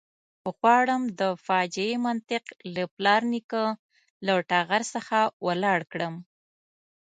غواړم د فاجعې منطق له پلار نیکه له ټغر څخه ولاړ کړم.